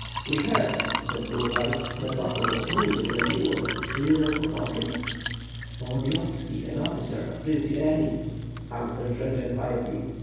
"We heard," said Burlay, "that Bohun was wounded in a duel; do you know who fought him?" "Volodiyovski, an officer of Prince Yeremy's," answered Jendzian quietly.